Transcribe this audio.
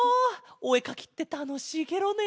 おえかきってたのしいケロね！